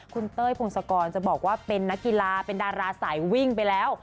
คุณเต้ยพงศกรจะบอกว่าเป็นนักกีฬาเป็นดาราสายวิ่งไปแล้ว